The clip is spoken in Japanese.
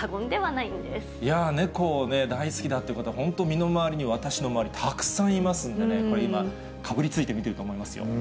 いやー、猫大好きだという人は本当、身の回りに私の周り、たくさんいますんでね、これ、今、かぶりついて見ていると思いますよ。